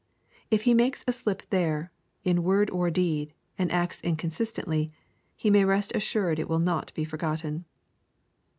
If he makes a slip there, in word or deed, and acts inconsistently, he may rest assured it will not be forgotten.